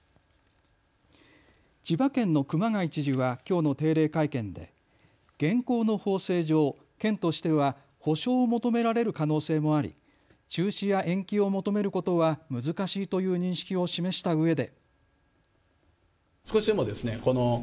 千葉県の熊谷知事はきょうの定例会見で現行の法制上、県としては補償を求められる可能性もあり中止や延期を求めることは難しいという認識を示したうえで。